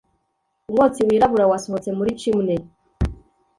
Umwotsi wirabura wasohotse muri chimney.